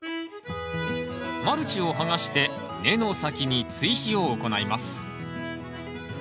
マルチを剥がして根の先に追肥を行います